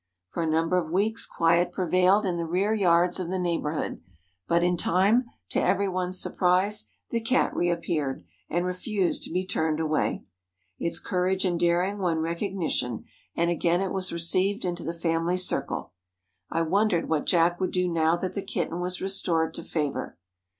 For a number of weeks quiet prevailed in the rear yards of the neighborhood, but in time, to everyone's surprise, the Cat reappeared and refused to be turned away. Its courage and daring won recognition, and again it was received into the family circle. I wondered what Jack would do now that the kitten was restored to favor.